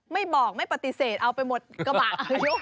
ไม่บอกไม่ปฏิเสธเอาไปหมดกระบะพยก